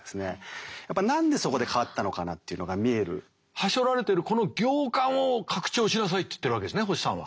はしょられてるこの行間を拡張しなさいって言ってるわけですね星さんは。